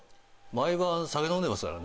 毎晩酒飲んでますからね。